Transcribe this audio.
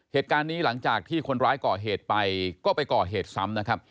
เหตุการณ์นี้หลังจากที่คนร้ายก่อเหตุไปก็ไปก่อเหตุซ้ำนะครับ